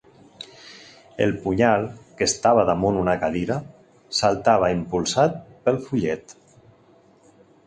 El punyal, que estava damunt una cadira, saltava impulsat pel fullet.